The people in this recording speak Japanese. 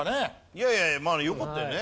いやいやよかったよね。